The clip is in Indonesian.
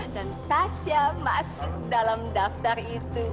dan tasya masuk dalam daftar itu